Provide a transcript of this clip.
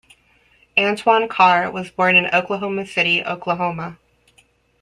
Antoine Carr was born in Oklahoma City, Oklahoma.